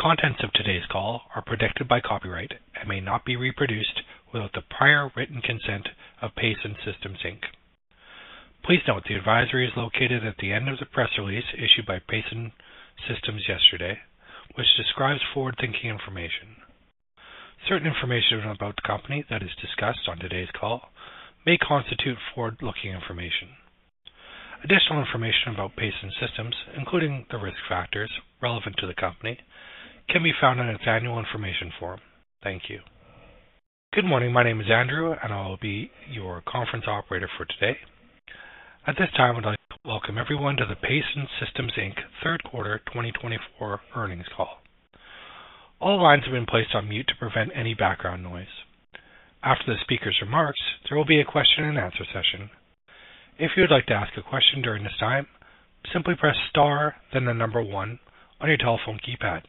Contents of today's call are protected by copyright and may not be reproduced without the prior written consent of Pason Systems Inc. Please note the advisory is located at the end of the press release issued by Pason Systems yesterday, which describes forward-looking information. Certain information about the company that is discussed on today's call may constitute forward-looking information. Additional information about Pason Systems, including the risk factors relevant to the company, can be found on its annual information form. Thank you. Good morning. My name is Andrew, and I will be your conference operator for today. At this time, I'd like to welcome everyone to the Pason Systems Inc. Third Quarter 2024 earnings call. All lines have been placed on mute to prevent any background noise. After the speaker's remarks, there will be a question-and-answer session. If you would like to ask a question during this time, simply press star, then the number one on your telephone keypad.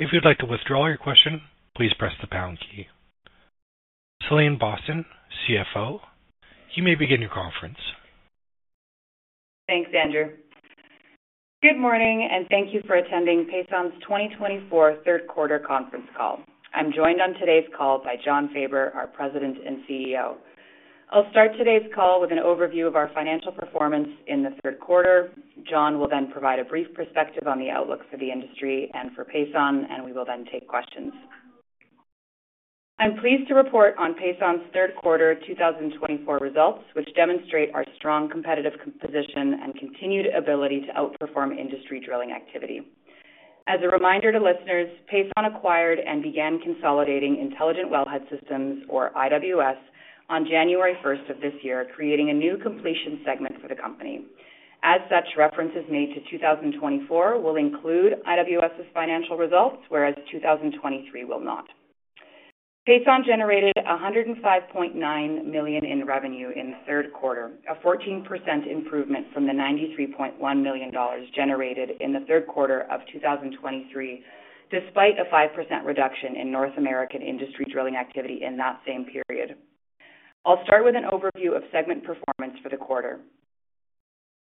If you'd like to withdraw your question, please press the pound key. Celine Boston, CFO, you may begin your conference. Thanks, Andrew. Good morning, and thank you for attending Pason's 2024 Third Quarter conference call. I'm joined on today's call by Jon Faber, our President and CEO. I'll start today's call with an overview of our financial performance in the third quarter. Jon will then provide a brief perspective on the outlook for the industry and for Pason, and we will then take questions. I'm pleased to report on Pason's third quarter 2024 results, which demonstrate our strong competitive position and continued ability to outperform industry drilling activity. As a reminder to listeners, Pason acquired and began consolidating Intelligent Wellhead Systems, or IWS, on January 1st of this year, creating a new completion segment for the company. As such, references made to 2024 will include IWS's financial results, whereas 2023 will not. Pason generated 105.9 million in revenue in the third quarter, a 14% improvement from the 93.1 million dollars generated in the third quarter of 2023, despite a 5% reduction in North American industry drilling activity in that same period. I'll start with an overview of segment performance for the quarter.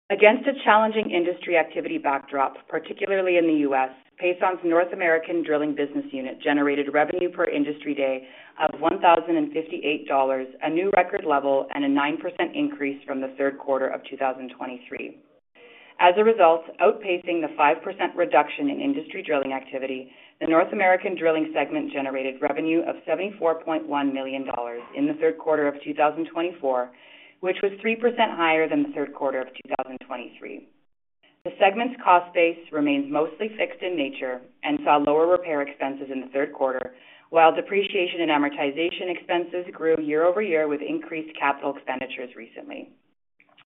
Against a challenging industry activity backdrop, particularly in the U.S., Pason's North American drilling business unit generated revenue per industry day of 1,058 dollars, a new record level, and a 9% increase from the third quarter of 2023. As a result, outpacing the 5% reduction in industry drilling activity, the North American drilling segment generated revenue of 74.1 million dollars in the third quarter of 2024, which was 3% higher than the third quarter of 2023. The segment's cost base remains mostly fixed in nature and saw lower repair expenses in the third quarter, while depreciation and amortization expenses grew year-over-year with increased capital expenditures recently.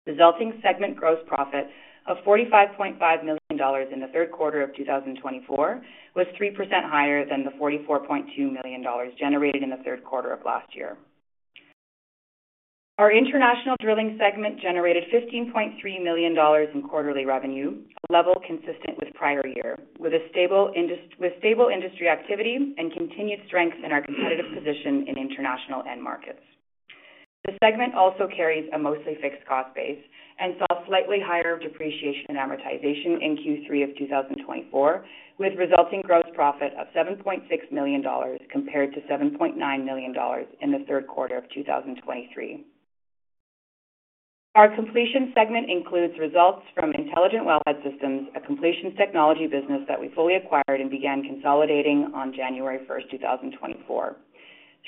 Resulting segment gross profit of 45.5 million dollars in the third quarter of 2024 was 3% higher than the 44.2 million dollars generated in the third quarter of last year. Our international drilling segment generated 15.3 million dollars in quarterly revenue, a level consistent with prior year, with stable industry activity and continued strength in our competitive position in international end markets. The segment also carries a mostly fixed cost base and saw slightly higher depreciation and amortization in Q3 of 2024, with resulting gross profit of 7.6 million dollars compared to 7.9 million dollars in the third quarter of 2023. Our completion segment includes results from Intelligent Wellhead Systems, a completion technology business that we fully acquired and began consolidating on January 1st, 2024.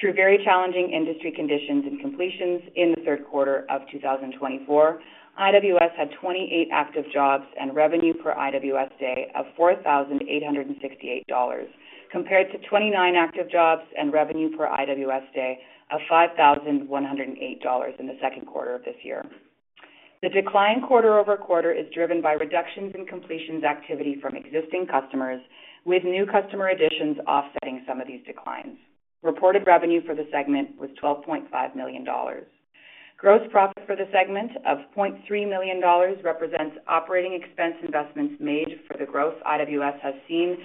Through very challenging industry conditions and completions in the third quarter of 2024, IWS had 28 active jobs and revenue per IWS day of $4,868, compared to 29 active jobs and revenue per IWS day of $5,108 in the second quarter of this year. The decline quarter-over-quarter is driven by reductions in completions activity from existing customers, with new customer additions offsetting some of these declines. Reported revenue for the segment was $12.5 million. Gross profit for the segment of $0.3 million represents operating expense investments made for the growth IWS has seen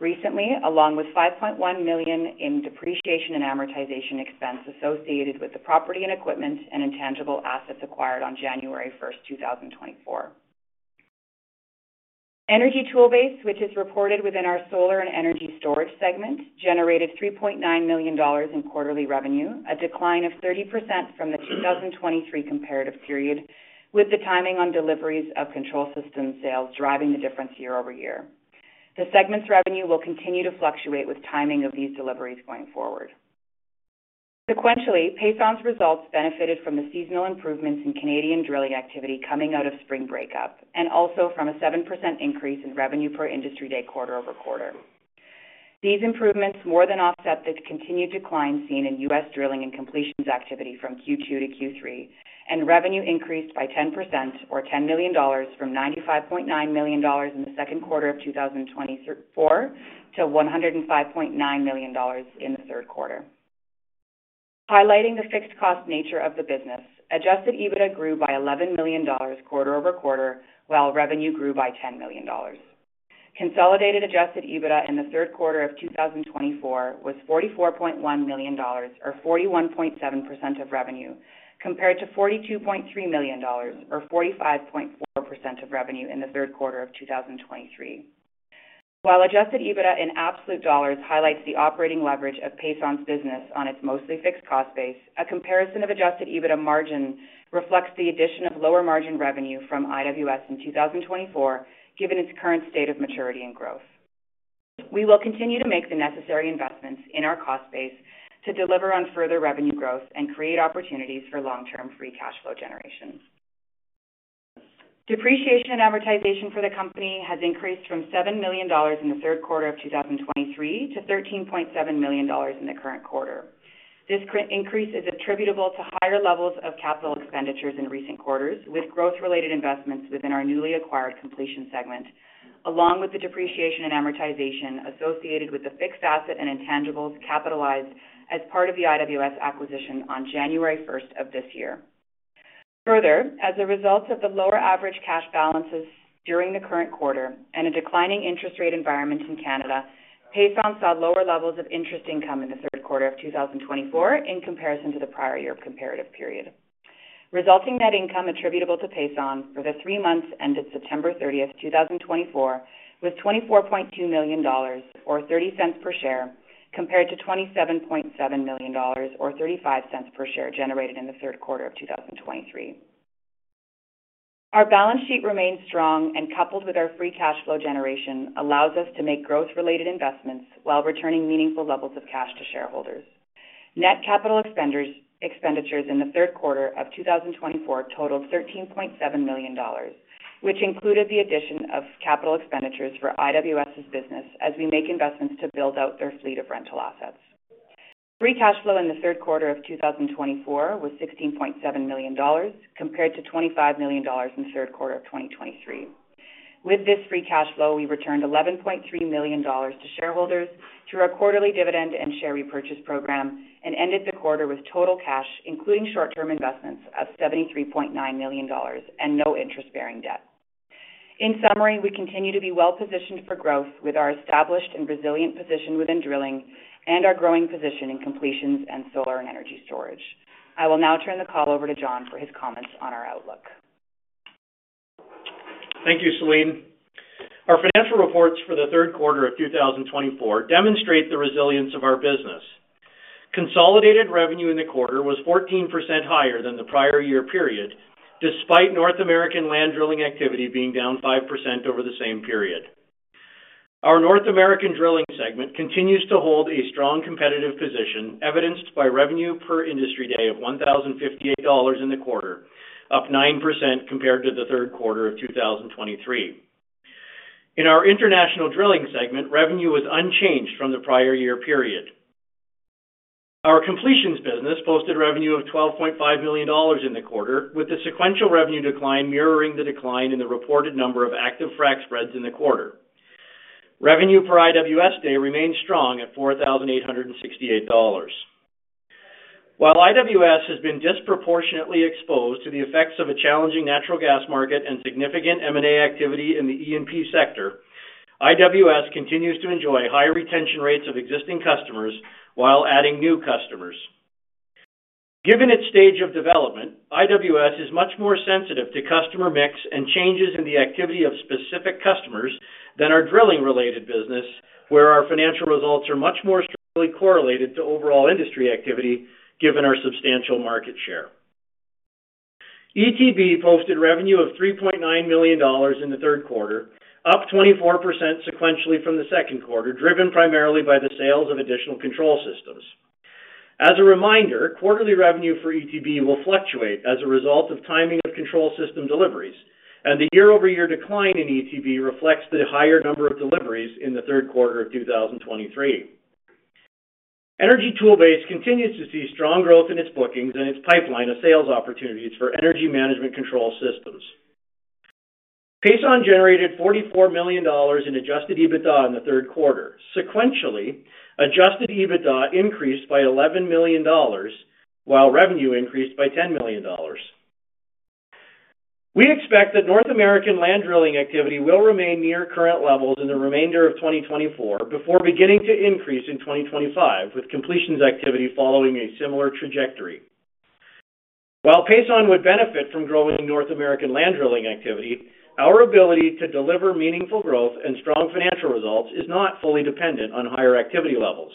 recently, along with $5.1 million in depreciation and amortization expense associated with the property and equipment and intangible assets acquired on January 1st, 2024. Energy Toolbase, which is reported within our solar and energy storage segment, generated 3.9 million dollars in quarterly revenue, a decline of 30% from the 2023 comparative period, with the timing on deliveries of control system sales driving the difference year-over-year. The segment's revenue will continue to fluctuate with timing of these deliveries going forward. Sequentially, Pason's results benefited from the seasonal improvements in Canadian drilling activity coming out of spring breakup, and also from a 7% increase in revenue per industry day quarter-over-quarter. These improvements more than offset the continued decline seen in U.S. drilling and completions activity from Q2 to Q3, and revenue increased by 10%, or 10 million dollars, from 95.9 million dollars in the second quarter of 2024 to 105.9 million dollars in the third quarter. Highlighting the fixed cost nature of the business, adjusted EBITDA grew by 11 million dollars quarter-over-quarter, while revenue grew by 10 million dollars. Consolidated adjusted EBITDA in the third quarter of 2024 was 44.1 million dollars, or 41.7% of revenue, compared to 42.3 million dollars, or 45.4% of revenue in the third quarter of 2023. While adjusted EBITDA in absolute dollars highlights the operating leverage of Pason's business on its mostly fixed cost base, a comparison of adjusted EBITDA margin reflects the addition of lower margin revenue from IWS in 2024, given its current state of maturity and growth. We will continue to make the necessary investments in our cost base to deliver on further revenue growth and create opportunities for long-term free cash flow generation. Depreciation and amortization for the company has increased from 7 million dollars in the third quarter of 2023 to 13.7 million dollars in the current quarter. This increase is attributable to higher levels of capital expenditures in recent quarters, with growth-related investments within our newly acquired completion segment, along with the depreciation and amortization associated with the fixed asset and intangibles capitalized as part of the IWS acquisition on January 1st of this year. Further, as a result of the lower average cash balances during the current quarter and a declining interest rate environment in Canada, Pason saw lower levels of interest income in the third quarter of 2024 in comparison to the prior year comparative period. Resulting net income attributable to Pason for the three months ended September 30th, 2024, was 24.2 million dollars, or 0.30 per share, compared to 27.7 million dollars, or 0.35 per share generated in the third quarter of 2023. Our balance sheet remains strong, and coupled with our free cash flow generation, allows us to make growth-related investments while returning meaningful levels of cash to shareholders. Net capital expenditures in the third quarter of 2024 totaled 13.7 million dollars, which included the addition of capital expenditures for IWS's business as we make investments to build out their fleet of rental assets. Free cash flow in the third quarter of 2024 was 16.7 million dollars, compared to 25 million dollars in the third quarter of 2023. With this free cash flow, we returned 11.3 million dollars to shareholders through our quarterly dividend and share repurchase program and ended the quarter with total cash, including short-term investments, of 73.9 million dollars and no interest-bearing debt. In summary, we continue to be well-positioned for growth with our established and resilient position within drilling and our growing position in completions and solar and energy storage. I will now turn the call over to Jon for his comments on our outlook. Thank you, Celine. Our financial reports for the third quarter of 2024 demonstrate the resilience of our business. Consolidated revenue in the quarter was 14% higher than the prior year period, despite North American land drilling activity being down 5% over the same period. Our North American drilling segment continues to hold a strong competitive position, evidenced by revenue per industry day of 1,058 dollars in the quarter, up 9% compared to the third quarter of 2023. In our international drilling segment, revenue was unchanged from the prior year period. Our completions business posted revenue of 12.5 million dollars in the quarter, with the sequential revenue decline mirroring the decline in the reported number of active frac spreads in the quarter. Revenue per IWS day remains strong at 4,868 dollars. While IWS has been disproportionately exposed to the effects of a challenging natural gas market and significant M&A activity in the E&P sector, IWS continues to enjoy high retention rates of existing customers while adding new customers. Given its stage of development, IWS is much more sensitive to customer mix and changes in the activity of specific customers than our drilling-related business, where our financial results are much more strictly correlated to overall industry activity, given our substantial market share. ETB posted revenue of 3.9 million dollars in the third quarter, up 24% sequentially from the second quarter, driven primarily by the sales of additional control systems. As a reminder, quarterly revenue for ETB will fluctuate as a result of timing of control system deliveries, and the year-over-year decline in ETB reflects the higher number of deliveries in the third quarter of 2023. Energy Toolbase continues to see strong growth in its bookings and its pipeline of sales opportunities for energy management control systems. Pason generated 44 million dollars in Adjusted EBITDA in the third quarter. Sequentially, Adjusted EBITDA increased by 11 million dollars, while revenue increased by 10 million dollars. We expect that North American land drilling activity will remain near current levels in the remainder of 2024 before beginning to increase in 2025, with completions activity following a similar trajectory. While Pason would benefit from growing North American land drilling activity, our ability to deliver meaningful growth and strong financial results is not fully dependent on higher activity levels.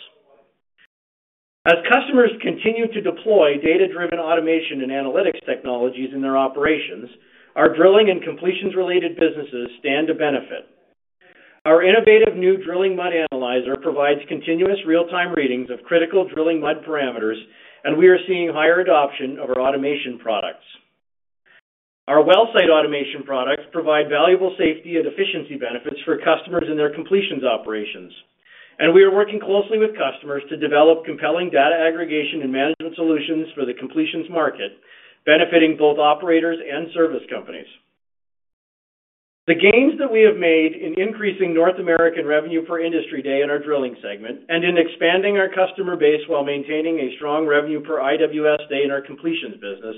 As customers continue to deploy data-driven automation and analytics technologies in their operations, our drilling and completions-related businesses stand to benefit. Our innovative new drilling Mud Analyzer provides continuous real-time readings of critical drilling mud parameters, and we are seeing higher adoption of our automation products. Our wellsite automation products provide valuable safety and efficiency benefits for customers in their completions operations, and we are working closely with customers to develop compelling data aggregation and management solutions for the completions market, benefiting both operators and service companies. The gains that we have made in increasing North American revenue per industry day in our drilling segment and in expanding our customer base while maintaining a strong revenue per IWS day in our completions business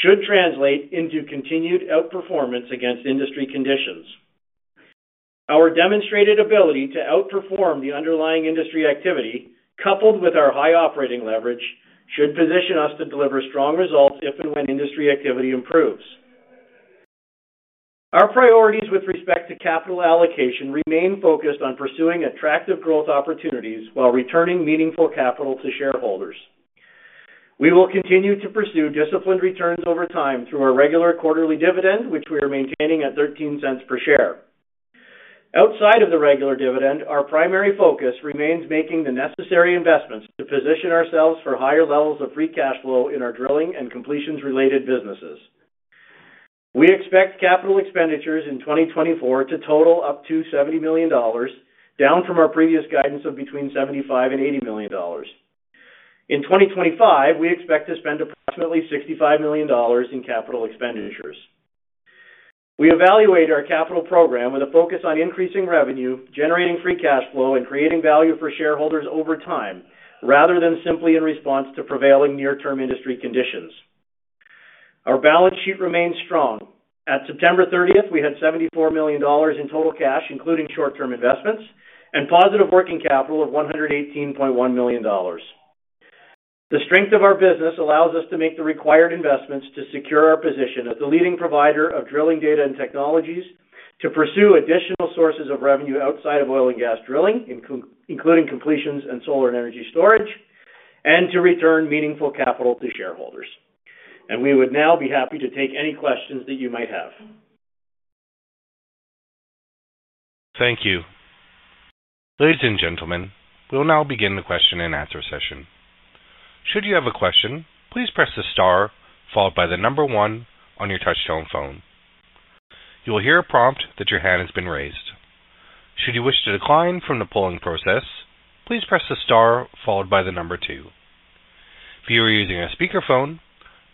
should translate into continued outperformance against industry conditions. Our demonstrated ability to outperform the underlying industry activity, coupled with our high operating leverage, should position us to deliver strong results if and when industry activity improves. Our priorities with respect to capital allocation remain focused on pursuing attractive growth opportunities while returning meaningful capital to shareholders. We will continue to pursue disciplined returns over time through our regular quarterly dividend, which we are maintaining at 0.13 per share. Outside of the regular dividend, our primary focus remains making the necessary investments to position ourselves for higher levels of free cash flow in our drilling and completions-related businesses. We expect capital expenditures in 2024 to total up to 70 million dollars, down from our previous guidance of between 75 and 80 million dollars. In 2025, we expect to spend approximately 65 million dollars in capital expenditures. We evaluate our capital program with a focus on increasing revenue, generating free cash flow, and creating value for shareholders over time, rather than simply in response to prevailing near-term industry conditions. Our balance sheet remains strong. At September 30th, we had 74 million dollars in total cash, including short-term investments, and positive working capital of 118.1 million dollars. The strength of our business allows us to make the required investments to secure our position as the leading provider of drilling data and technologies, to pursue additional sources of revenue outside of oil and gas drilling, including completions and solar and energy storage, and to return meaningful capital to shareholders. And we would now be happy to take any questions that you might have. Thank you. Ladies and gentlemen, we'll now begin the question and answer session. Should you have a question, please press the star followed by the number one on your touch-tone phone. You will hear a prompt that your hand has been raised. Should you wish to decline from the polling process, please press the star followed by the number two. If you are using a speakerphone,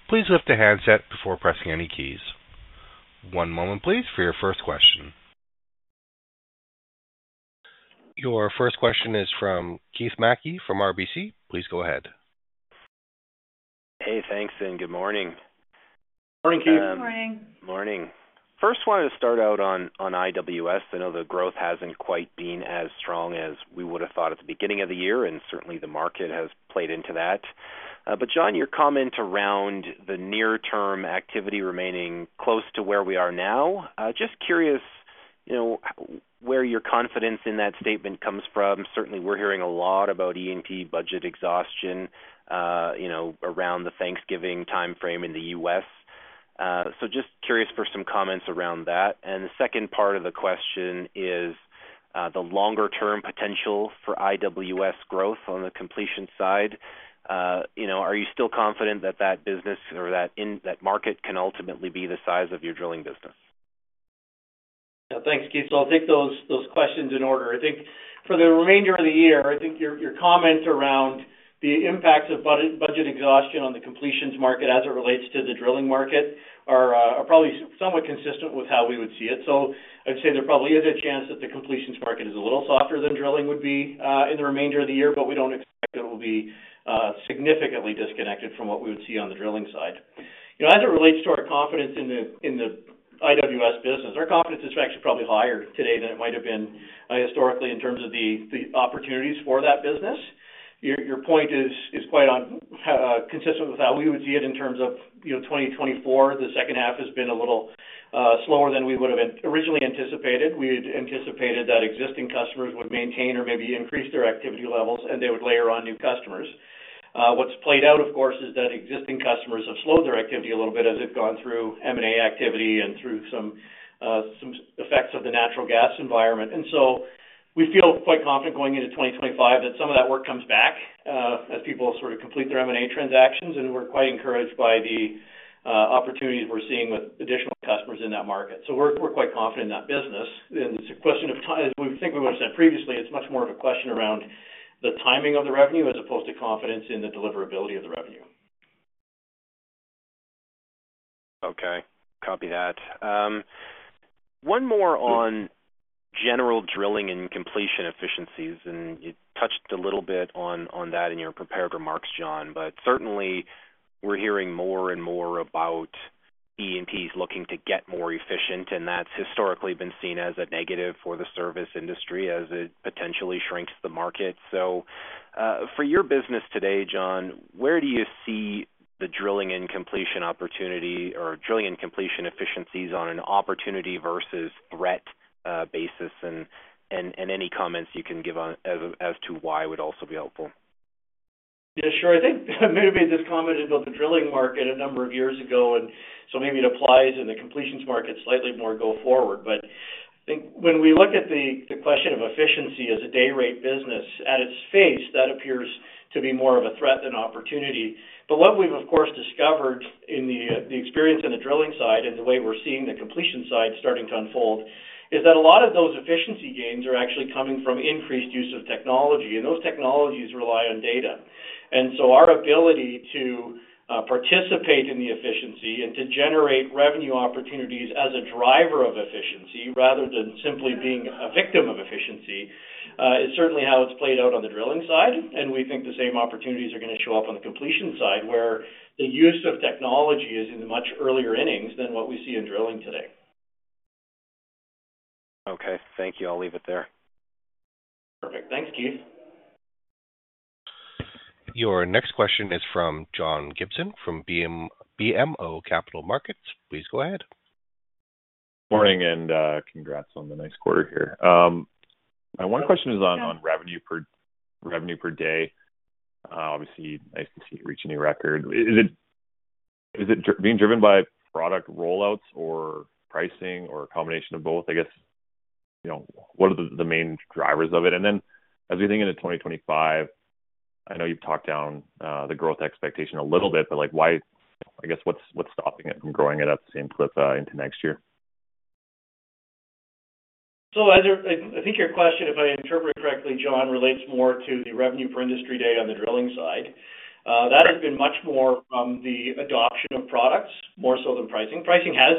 please lift the handset before pressing any keys. One moment, please, for your first question. Your first question is from Keith Mackey from RBC. Please go ahead. Hey, thanks, and good morning. Good morning, Keith. Good morning. Good morning. First, I wanted to start out on IWS. I know the growth hasn't quite been as strong as we would have thought at the beginning of the year, and certainly the market has played into that, but Jon, your comment around the near-term activity remaining close to where we are now, just curious where your confidence in that statement comes from? Certainly, we're hearing a lot about E&P budget exhaustion around the Thanksgiving timeframe in the U.S., so just curious for some comments around that, and the second part of the question is the longer-term potential for IWS growth on the completions side. Are you still confident that that business or that market can ultimately be the size of your drilling business? Thanks, Keith. So I'll take those questions in order. I think for the remainder of the year, I think your comments around the impacts of budget exhaustion on the completions market as it relates to the drilling market are probably somewhat consistent with how we would see it. So I'd say there probably is a chance that the completions market is a little softer than drilling would be in the remainder of the year, but we don't expect it will be significantly disconnected from what we would see on the drilling side. As it relates to our confidence in the IWS business, our confidence is actually probably higher today than it might have been historically in terms of the opportunities for that business. Your point is quite consistent with how we would see it in terms of 2024. The second half has been a little slower than we would have originally anticipated. We had anticipated that existing customers would maintain or maybe increase their activity levels, and they would layer on new customers. What's played out, of course, is that existing customers have slowed their activity a little bit as they've gone through M&A activity and through some effects of the natural gas environment, and so we feel quite confident going into 2025 that some of that work comes back as people sort of complete their M&A transactions, and we're quite encouraged by the opportunities we're seeing with additional customers in that market, so we're quite confident in that business, and it's a question of time, as we think we would have said previously, it's much more of a question around the timing of the revenue as opposed to confidence in the deliverability of the revenue. Okay. Copy that. One more on general drilling and completion efficiencies, and you touched a little bit on that in your prepared remarks, Jon, but certainly we're hearing more and more about E&Ps looking to get more efficient, and that's historically been seen as a negative for the service industry as it potentially shrinks the market. So for your business today, Jon, where do you see the drilling and completion opportunity or drilling and completion efficiencies on an opportunity versus threat basis? And any comments you can give as to why would also be helpful? Yeah, sure. I think I made this comment about the drilling market a number of years ago, and so maybe it applies in the completions market slightly more going forward. But I think when we look at the question of efficiency as a day-rate business, on its face, that appears to be more of a threat than opportunity. But what we've, of course, discovered in the experience in the drilling side and the way we're seeing the completions side starting to unfold is that a lot of those efficiency gains are actually coming from increased use of technology, and those technologies rely on data. And so our ability to participate in the efficiency and to generate revenue opportunities as a driver of efficiency rather than simply being a victim of efficiency is certainly how it's played out on the drilling side. We think the same opportunities are going to show up on the completions side where the use of technology is in the much earlier innings than what we see in drilling today. Okay. Thank you. I'll leave it there. Perfect. Thanks, Keith. Your next question is from John Gibson from BMO Capital Markets. Please go ahead. Good morning and congrats on the next quarter here. My one question is on revenue per day. Obviously, nice to see it reach a new record. Is it being driven by product rollouts or pricing or a combination of both? I guess what are the main drivers of it? And then as we think into 2025, I know you've talked down the growth expectation a little bit, but I guess what's stopping it from growing at that same clip into next year? So I think your question, if I interpret it correctly, John, relates more to the revenue per industry day on the drilling side. That has been much more from the adoption of products, more so than pricing. Pricing has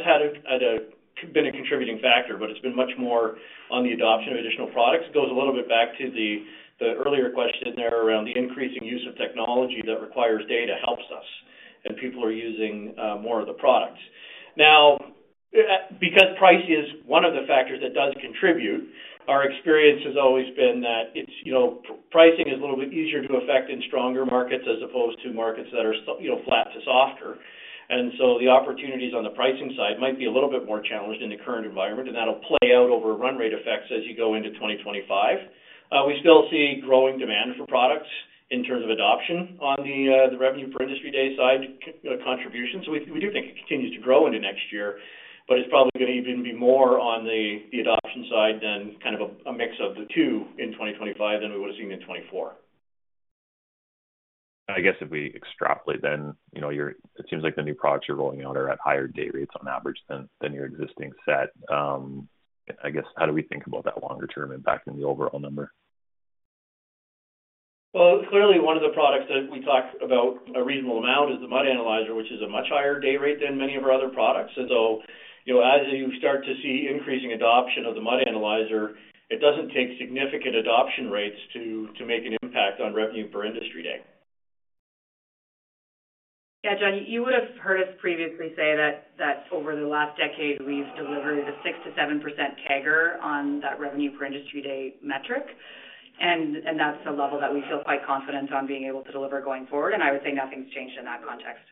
been a contributing factor, but it's been much more on the adoption of additional products. It goes a little bit back to the earlier question there around the increasing use of technology that requires data helps us, and people are using more of the products. Now, because price is one of the factors that does contribute, our experience has always been that pricing is a little bit easier to affect in stronger markets as opposed to markets that are flat to softer. And so the opportunities on the pricing side might be a little bit more challenged in the current environment, and that'll play out over run rate effects as you go into 2025. We still see growing demand for products in terms of adoption on the revenue per industry day side contribution. So we do think it continues to grow into next year, but it's probably going to even be more on the adoption side than kind of a mix of the two in 2025 than we would have seen in 2024. I guess if we extrapolate then, it seems like the new products you're rolling out are at higher day rates on average than your existing set. I guess how do we think about that longer-term impact in the overall number? Clearly, one of the products that we talk about a reasonable amount is the Mud Analyzer, which is a much higher day rate than many of our other products. As you start to see increasing adoption of the Mud Analyzer, it doesn't take significant adoption rates to make an impact on revenue per industry day. Yeah, John, you would have heard us previously say that over the last decade, we've delivered a 6%-7% CAGR on that revenue per industry day metric, and that's a level that we feel quite confident on being able to deliver going forward. And I would say nothing's changed in that context.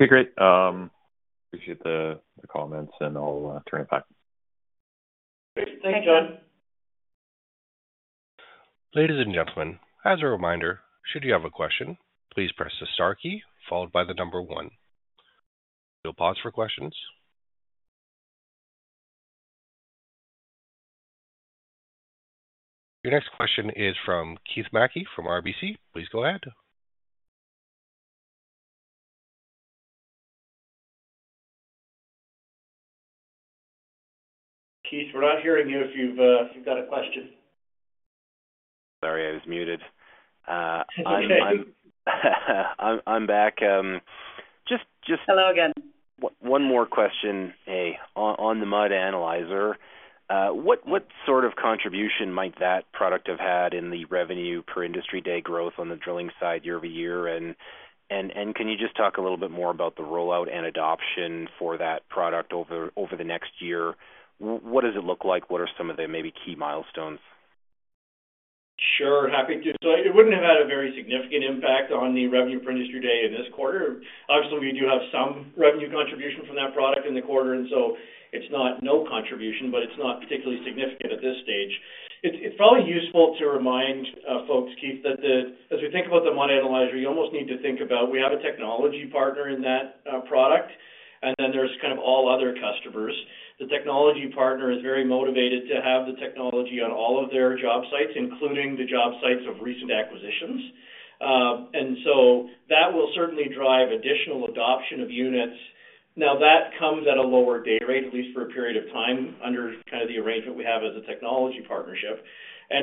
Okay, great. Appreciate the comments, and I'll turn it back. Thanks, John. Ladies and gentlemen, as a reminder, should you have a question, please press the star key followed by the number one. We'll pause for questions. Your next question is from Keith Mackey from RBC. Please go ahead. Keith, we're not hearing you if you've got a question. Sorry, I was muted. I'm back. Hello again. One more question on the Mud Analyzer. What sort of contribution might that product have had in the revenue per industry day growth on the drilling side year-over-year? And can you just talk a little bit more about the rollout and adoption for that product over the next year? What does it look like? What are some of the maybe key milestones? Sure. Happy to. So it wouldn't have had a very significant impact on the revenue per industry day in this quarter. Obviously, we do have some revenue contribution from that product in the quarter, and so it's not no contribution, but it's not particularly significant at this stage. It's probably useful to remind folks, Keith, that as we think about the Mud Analyzer, you almost need to think about we have a technology partner in that product, and then there's kind of all other customers. The technology partner is very motivated to have the technology on all of their job sites, including the job sites of recent acquisitions. And so that will certainly drive additional adoption of units. Now, that comes at a lower day rate, at least for a period of time, under kind of the arrangement we have as a technology partnership.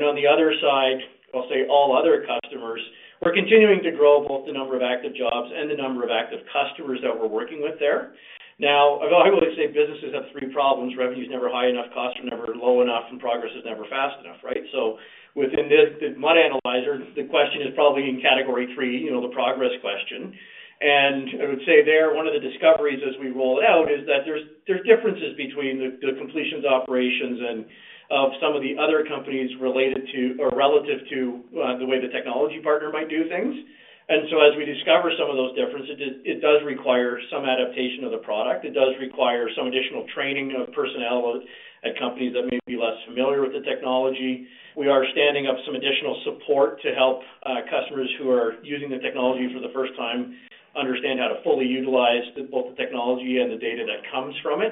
On the other side, I'll say all other customers, we're continuing to grow both the number of active jobs and the number of active customers that we're working with there. Now, I would say businesses have three problems: revenue is never high enough, costs are never low enough, and progress is never fast enough, right? Within the Mud Analyzer, the question is probably in category three, the progress question. I would say there, one of the discoveries as we roll it out is that there's differences between the completions operations and of some of the other companies related to or relative to the way the technology partner might do things. So as we discover some of those differences, it does require some adaptation of the product. It does require some additional training of personnel at companies that may be less familiar with the technology. We are standing up some additional support to help customers who are using the technology for the first time understand how to fully utilize both the technology and the data that comes from it,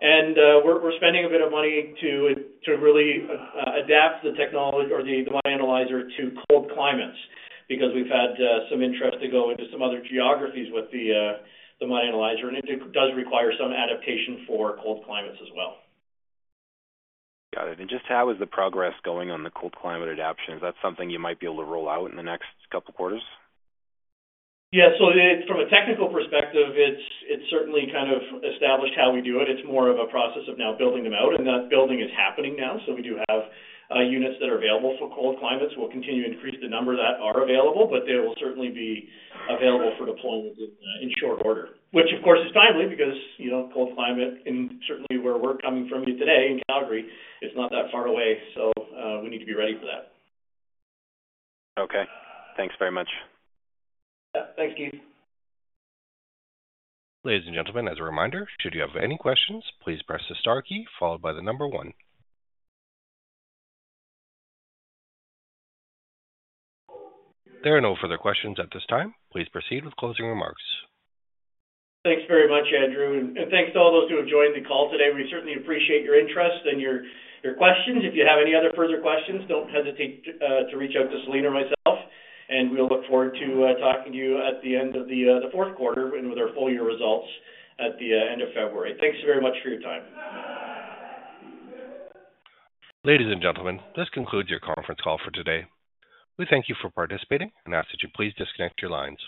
and we're spending a bit of money to really adapt the technology or the Mud Analyzer to cold climates because we've had some interest to go into some other geographies with the Mud Analyzer, and it does require some adaptation for cold climates as well. Got it. And just how is the progress going on the cold climate adaptation? Is that something you might be able to roll out in the next couple of quarters? Yeah. So from a technical perspective, it's certainly kind of established how we do it. It's more of a process of now building them out, and that building is happening now. So we do have units that are available for cold climates. We'll continue to increase the number that are available, but they will certainly be available for deployment in short order, which, of course, is timely because cold climate and certainly where we're coming from today in Calgary, it's not that far away. So we need to be ready for that. Okay. Thanks very much. Yeah. Thanks, Keith. Ladies and gentlemen, as a reminder, should you have any questions, please press the star key followed by the number one. There are no further questions at this time. Please proceed with closing remarks. Thanks very much, Andrew, and thanks to all those who have joined the call today. We certainly appreciate your interest and your questions. If you have any other further questions, don't hesitate to reach out to Celine or myself, and we'll look forward to talking to you at the end of the fourth quarter and with our full year results at the end of February. Thanks very much for your time. Ladies and gentlemen, this concludes your conference call for today. We thank you for participating and ask that you please disconnect your lines.